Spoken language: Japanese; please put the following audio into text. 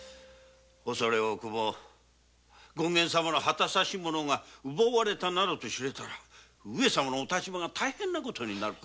恐れ多くも権現様の旗指物が奪われたなどと知れたら上様のお立場が大変な事になる。